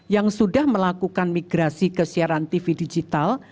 yang sudah melakukan migrasi ke siaran tv digital